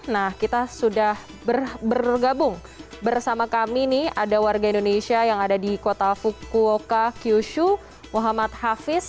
nah kita sudah bergabung bersama kami nih ada warga indonesia yang ada di kota fukuoka kyushu muhammad hafiz